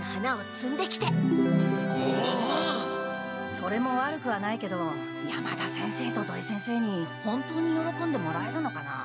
それも悪くはないけど山田先生と土井先生に本当によろこんでもらえるのかなあ。